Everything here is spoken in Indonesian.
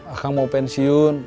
akang mau pensiun